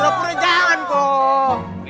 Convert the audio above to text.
pro pro jangan kok